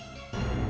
pergi ke sana